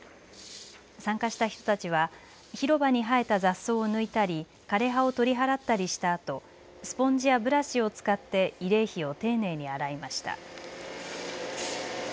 参加した人たちは広場に生えた雑草を抜いたり、枯れ葉を取り払ったりしたあとスポンジやブラシを使って慰霊碑を丁寧に洗いました。